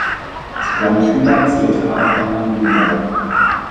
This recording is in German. Zu seinen Schülern zählte Abraham Megerle.